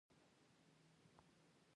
بامیان د افغانستان د کلتوري میراث برخه ده.